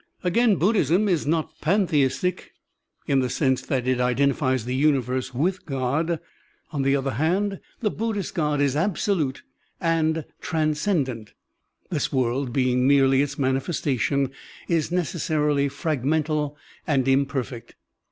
Again, Buddhism is not pantheistic in the sense that it identifies the universe with God. On the other hand, the Buddhist God is absolute and tran scendent; this world, being merely its manifes tation, is necessarily fragmental and imperfect.